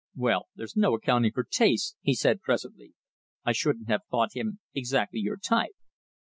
"Well, there's no accounting for tastes," he said presently. "I shouldn't have thought him exactly your type."